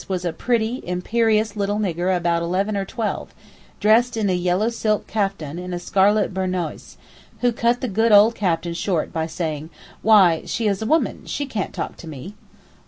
was a pretty imperious little nigger about eleven or twelve, dressed in a yellow silk kuftan and a scarlet burnous, who cut the good old captain short by saying, 'Why, she is a woman; she can't talk to me.